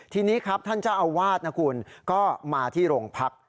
ทีนี้ครับท่านเจ้าอาวาสนะคุณก็มาที่โรงพัก